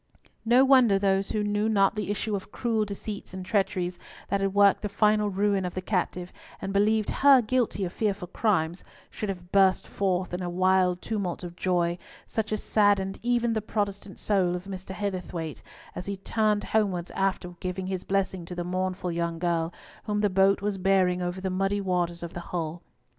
No wonder those who knew not the tissue of cruel deceits and treacheries that had worked the final ruin of the captive, and believed her guilty of fearful crimes, should have burst forth in a wild tumult of joy, such as saddened even the Protestant soul of Mr. Heatherthwayte, as he turned homewards after giving his blessing to the mournful young girl, whom the boat was bearing over the muddy waters of the Hull.